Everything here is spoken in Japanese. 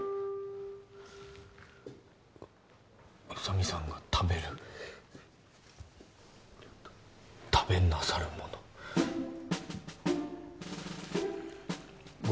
宇佐美さんが食べる食べなさるものご